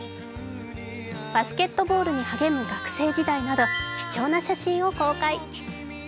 バスケットボールに励む学生時代など貴重な写真を公開。